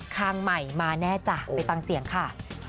ทางใหม่มาแน่จ้ะไปฟังเสียงค่ะ